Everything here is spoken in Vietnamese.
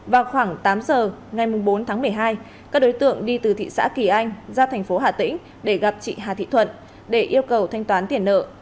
vào khoảng tám giờ ngày bốn tháng một mươi hai các đối tượng đi từ thị xã kỳ anh ra thành phố hà tĩnh để gặp chị hà thị thuận để yêu cầu thanh toán tiền nợ